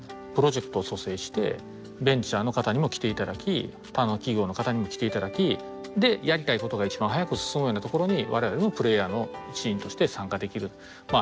プロジェクトを組成してベンチャーの方にも来て頂き他の企業の方にも来て頂きでやりたいことが一番早く進むようなところに我々もプレーヤーの一員として参加できる。